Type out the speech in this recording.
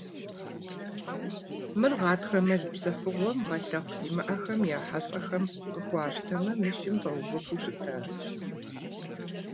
Мыр гъатхэ мэл псэфыгъуэм гъэлъэхъу зимыӀэхэм я хьэщӀэхэм къыхуащтэмэ, нышым пэувыфу щытащ.